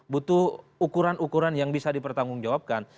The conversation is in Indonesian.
butuh ukuran ukuran yang bisa dipertanggungjawabkan